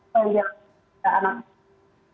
yang tidak anak kami